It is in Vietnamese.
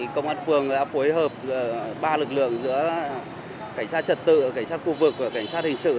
công an phường đã phối hợp ba lực lượng giữa cảnh sát trật tự cảnh sát khu vực và cảnh sát hình sự